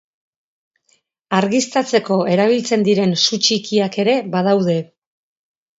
Argiztatzeko erabiltzen diren su txikiak ere badaude.